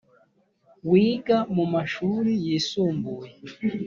wiga mu mashuri yisumbuye